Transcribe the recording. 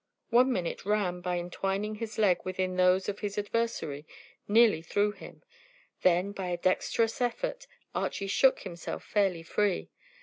One minute Ram, by entwining his leg within those of his adversary, nearly threw him; then, by a dexterous effort, Archy shook himself fairly free.